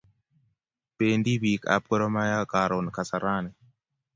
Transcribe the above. Pendi pik ab Gor mahia karun kasarani